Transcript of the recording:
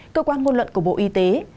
cơ quan ngôn luận của bộ y tế